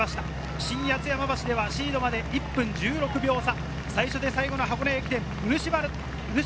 新八ツ山橋ではシードまで１分１６秒差。